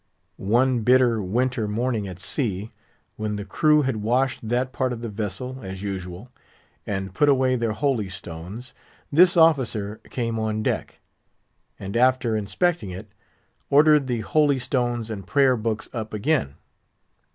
One bitter winter morning at sea, when the crew had washed that part of the vessel, as usual, and put away their holy stones, this officer came on deck, and after inspecting it, ordered the holy stones and prayer books up again.